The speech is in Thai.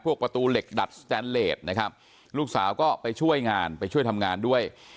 ประตูเหล็กดัดสแตนเลสนะครับลูกสาวก็ไปช่วยงานไปช่วยทำงานด้วย